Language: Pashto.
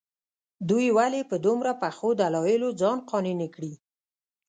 دوی ولې په دومره پخو دلایلو ځان قانع نه کړي.